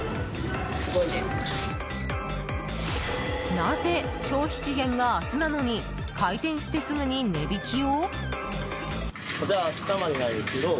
なぜ、消費期限が明日なのに開店してすぐに値引きを？